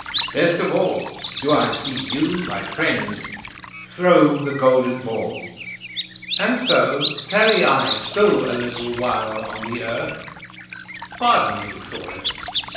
Best of all, do I see you, my friends, throw the golden ball! And so tarry I still a little while on the earth pardon me for it!